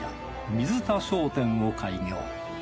水田商店を開業。